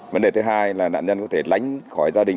vấn đề thứ hai là nạn nhân có thể lánh khỏi gia đình